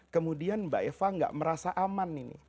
kemudian mbak eva nggak merasa aman ini